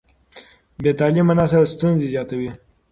بې تعليمه نسل ستونزې زیاتوي.